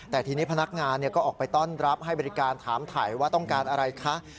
แต่ทีนี้พนักงานก็ออกไปต้อนรับให้บริการถามถ่ายว่าต้องการอะไรคะ